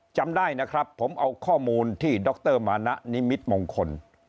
จำได้นะครับผมเอาข้อมูลที่ดรมานะนิมิตมงคล